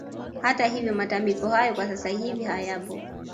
Hata hivyo matambiko hayo kwa sasa hivi hayapo